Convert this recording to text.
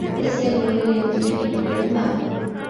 بدآ سامي و ليلى يمضيان كلّ يوم معا.